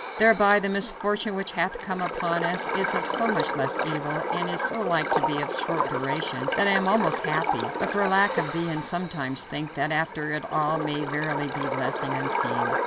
Thereby the misfortune which hath come upon us is of so much less evil, and is so like to be of such short duration, that I am almost happy but for lack of thee and sometimes think that after all it may verily be a blessing unseen.